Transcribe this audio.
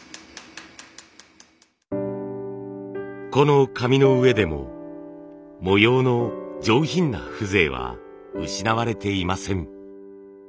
この紙の上でも模様の上品な風情は失われていません。